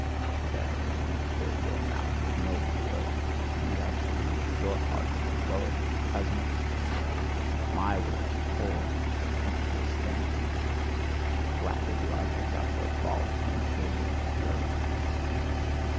Verily, ye fill your mouth with noble words: and we are to believe that your heart overfloweth, ye cozeners? But MY words are poor, contemptible, stammering words: gladly do I pick up what falleth from the table at your repasts.